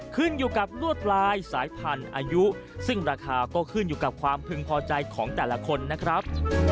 ขึ้นอยู่กับลวดลายสายพันธุ์อายุซึ่งราคาก็ขึ้นอยู่กับความพึงพอใจของแต่ละคนนะครับ